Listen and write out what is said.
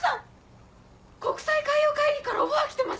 国際海洋会議からオファー来てます。